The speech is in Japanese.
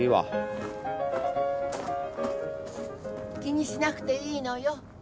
・気にしなくていいのよ。